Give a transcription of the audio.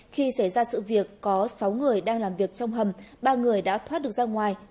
khi xảy ra sự việc có sáu người đang làm việc trong hầm ba người đã thoát được ra ngoài